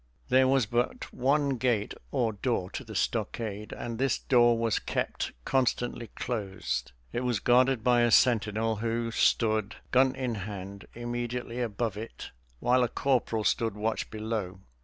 There was but one gate or door to the stockade, and this door was kept constantly closed. It was guarded by a sentinel who stood, gun in hand, immediately above it while a corporal stood watch below.